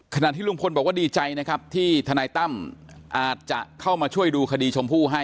ที่ลุงพลบอกว่าดีใจนะครับที่ทนายตั้มอาจจะเข้ามาช่วยดูคดีชมพู่ให้